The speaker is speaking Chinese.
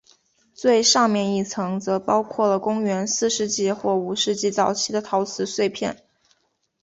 最上面一层则包括了公元四世纪或五世纪早期的陶瓷碎片。